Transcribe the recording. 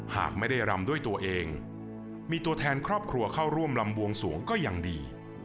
หากไม่ได้รำด้วยตัวเองมีตัวแทนครอบครัวเข้าร่วมลำบวงสวงก็ยังดี